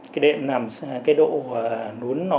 cái đệm nằm xa cái độ nún nó